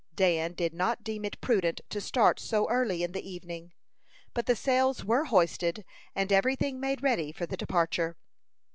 Dan did not deem it prudent to start so early in the evening; but the sails were hoisted, and every thing made ready for the departure.